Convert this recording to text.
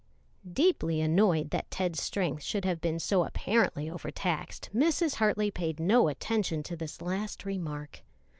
Deeply annoyed that Ted's strength should have been so apparently overtaxed, Mrs. Hartley paid no attention to this last remark.